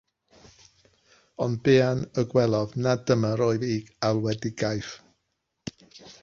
Ond buan y gwelodd nad dyma oedd ei alwedigaeth.